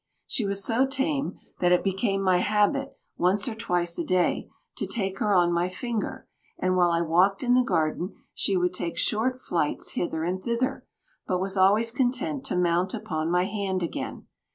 She was so tame that it became my habit, once or twice a day, to take her on my finger; and while I walked in the garden she would take short flights hither and thither, but was always content to mount upon my hand again.